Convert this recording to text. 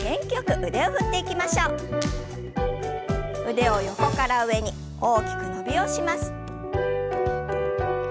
腕を横から上に大きく伸びをします。